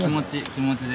気持ちで。